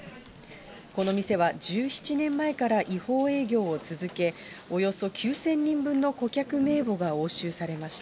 この店は１７年前から違法営業を続け、およそ９０００人分の顧客名簿が押収されました。